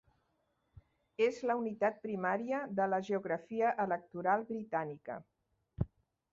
És la unitat primària de la geografia electoral britànica.